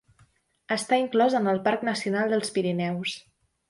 Està inclòs en el Parc Nacional dels Pirineus.